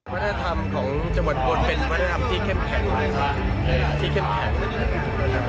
วัฒนธรรมของจับหวัดบนเป็นวัฒนธรรมที่เข้มแขน